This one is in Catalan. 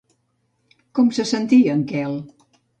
Com se sentia en Quel?